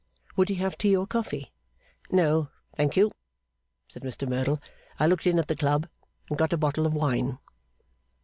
Would he have tea or coffee? 'No, thank you,' said Mr Merdle. 'I looked in at the Club, and got a bottle of wine.